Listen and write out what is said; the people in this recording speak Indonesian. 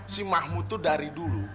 si mahmud itu dari dulu